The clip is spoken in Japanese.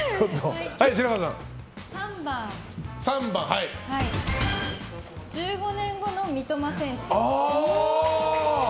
３番、１５年後の三笘選手。